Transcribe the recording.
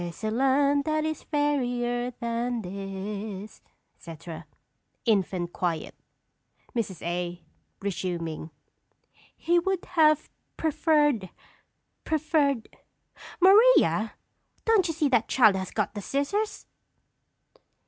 "There's a land that is fairer than this," etc. [Infant quiet. Mrs. A. (resuming). "He would have preferred preferred " Maria, don't you see that child has got the scissors?